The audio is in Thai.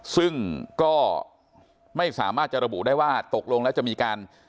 ซึ่งก็ไม่สามารถจะระบุได้ว่าตกลงแล้วจะมีการ